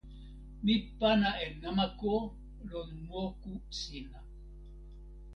mi pana e namako lon moku sina.